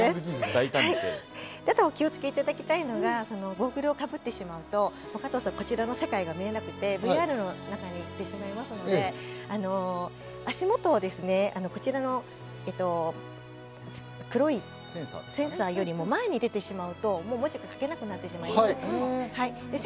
お気をつけいただきたいのがゴーグルをかぶってしまうと、こちらの世界が見えなくて、ＶＲの中に行ってしまいますので足元を、こちらの黒いセンサーより前に出てしまうと文字が描けなくなってしまいます。